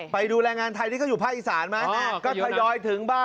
ไปดูแรงงานไทยที่ก็อยู่ภาษีอิสรส์นะ